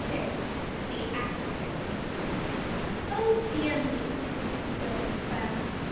VI THE ACCIDENT "Oh dear me!" exclaimed Clem.